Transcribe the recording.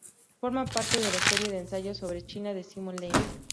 Forma parte de la serie de ensayos sobre China de Simon Leys.